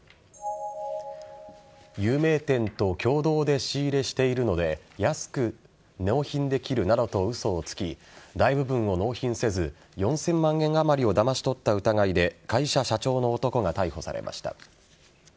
有名店と共同で仕入れしているので安く納品できるなどと嘘をつき大部分を納品せず４０００万円あまりをだまし取った疑いで会社社長の男が逮捕されました。